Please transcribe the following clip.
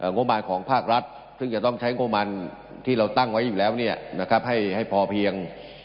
งบมารของภาครัฐซึ่งจะต้องใช้งบมันที่เราตั้งไว้อยู่แล้วให้พอเพียง